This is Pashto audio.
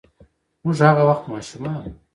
موږ هغه وخت ماشومان وو.